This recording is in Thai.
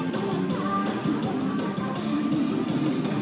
ตรงตรงตรงตรง